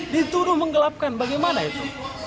dituduh menggelapkan bagaimana itu